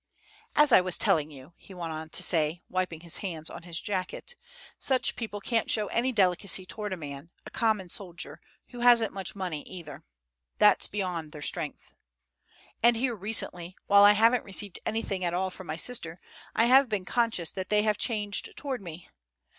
"As I was telling you," he went on to say, wiping his hands on his jacket, "such people can't show any delicacy toward a man, a common soldier, who hasn't much money either. That's beyond their strength. And here recently, while I haven't received anything at all from my sister, I have been conscious that they have changed toward me.